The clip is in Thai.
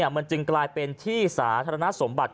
มันจึงกลายเป็นที่สาธารณสมบัติ